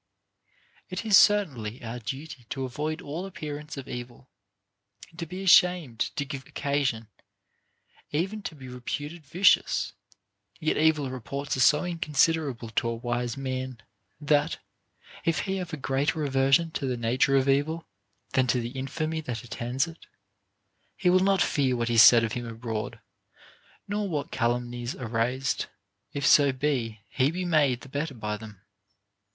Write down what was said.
It is certainly our duty to avoid all appearance of evil, and to be ashamed to give occasion even to be reputed vicious ; yet evil reports are so inconsiderable to a wise man, that, if he have a greater aversion to the nature of evil than to the infamy that attends it, he will not fear what is said of him abroad, nor what calumnies are raised, if so be he be made the better by them.